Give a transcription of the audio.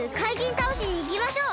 たおしにいきましょう！